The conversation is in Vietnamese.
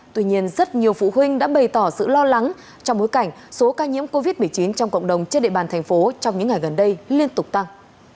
tuy nhiên rất nhiều phụ huynh đã bày tỏ sự lo lắng trong bối cảnh số ca nhiễm covid một mươi chín trong cộng đồng trên địa bàn thành phố trong những ngày gần đây liên tục tăng